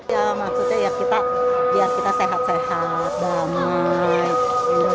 ya maksudnya ya kita biar kita sehat sehat damai